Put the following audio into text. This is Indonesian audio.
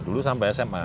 dulu sampai sma